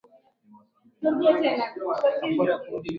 huku maelfu wakihama katika eneo hilo